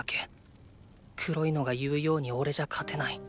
黒いのが言うようにおれじゃ勝てない。